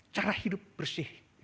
cara hidup bersih